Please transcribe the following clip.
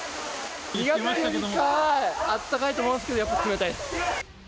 ２月よりかはあったかいと思うんですけど、やっぱ冷たいです。